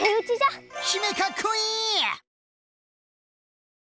姫かっこいい！